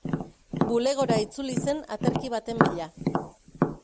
Bulegora itzuli zen aterki baten bila.